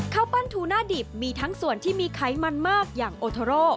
ข้าวปั้นทูหน้าดิบมีทั้งส่วนที่มีไขมันมากอย่างโอโทโร